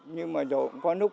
nhưng mà giờ cũng có lúc